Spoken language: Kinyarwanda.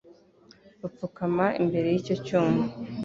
bapfukama imbere y’icyo cyuma